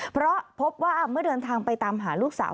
เพราะพบว่าเมื่อเดินทางไปตามหาลูกสาว